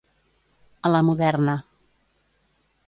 A la moderna.